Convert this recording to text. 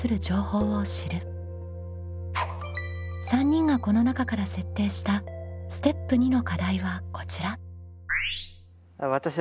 ３人がこの中から設定したステップ２の課題はこちら。